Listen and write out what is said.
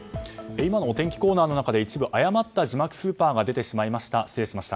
今のお天気コーナーの中で一部、誤った字幕スーパーが出てしまいました。